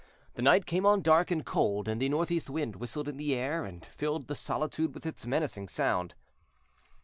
The night came on dark and cold, and the northeast wind whistled in the air, and filled the solitude with its menacing sound.